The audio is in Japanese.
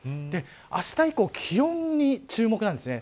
あした以降気温に注目なんですね。